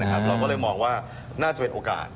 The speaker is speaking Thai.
เราก็เลยมองว่าน่าจะเป็นโอกาส